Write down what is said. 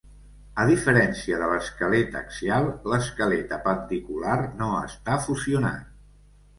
A diferència de l'esquelet axial, l'esquelet apendicular no està fusionat.